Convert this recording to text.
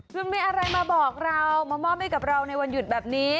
คุณมีอะไรมาบอกเรามามอบให้กับเราในวันหยุดแบบนี้